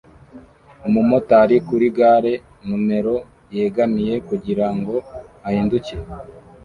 Umumotari kuri gare numero yegamiye kugirango ahindukire